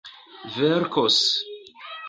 verkos